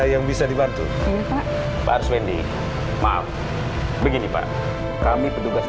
tanah dan rumahnya bapak sudah dijual sama anak anaknya bapak